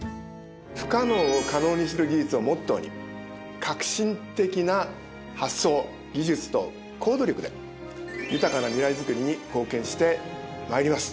「不可能を可能にする技術」をモットーに革新的な発想技術と行動力で豊かな未来づくりに貢献して参ります。